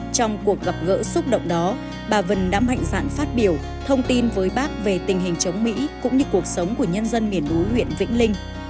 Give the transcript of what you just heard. trong cuộc gặp gỡ xúc động đó bà vân đã mạnh dạn phát biểu thông tin với bác về tình hình chống mỹ cũng như cuộc sống của nhân dân miền núi huyện vĩnh linh